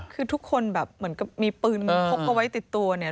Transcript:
คือทุกคนแบบเหมือนกับมีปืนพกเอาไว้ติดตัวเนี่ย